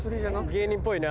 芸人っぽいな。